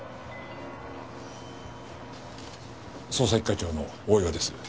捜査一課長の大岩です。